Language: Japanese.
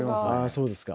そうですか。